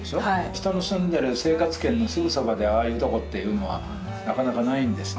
人の住んでる生活圏のすぐそばでああいうとこっていうのはなかなかないんですね。